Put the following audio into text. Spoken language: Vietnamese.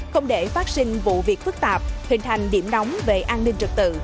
không để phát sinh vụ việc phức tạp hình thành điểm nóng về an ninh trật tự